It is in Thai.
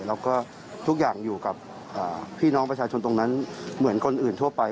แล้วก็ทุกอย่างอยู่กับพี่น้องประชาชนตรงนั้นเหมือนคนอื่นทั่วไป